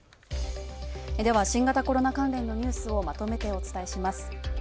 では新型コロナ関連のニュースをまとめてお伝えします。